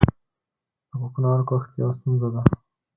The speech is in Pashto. د کوکنارو کښت یوه ستونزه ده